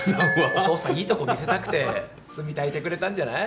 お父さんいいとこ見せたくて炭たいてくれたんじゃない？